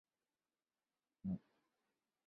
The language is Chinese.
个别海狮也开始在美国加州西部岛屿上出没。